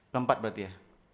keempat berarti ya